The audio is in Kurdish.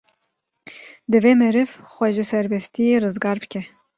Divê meriv xwe ji serbestiyê rizgar bike.